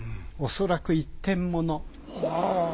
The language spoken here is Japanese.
おそらく一点もの。